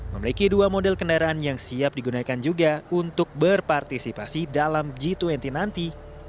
memiliki dua model kendaraan yang siap digunakan juga untuk berpartisipasi dalam g dua puluh nanti